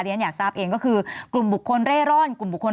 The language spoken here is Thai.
ฉันอยากทราบเองก็คือกลุ่มบุคคลเร่ร่อนกลุ่มบุคคล